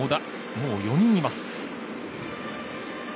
もう４人います。